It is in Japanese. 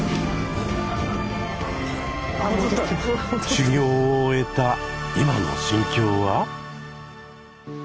修行を終えた今の心境は？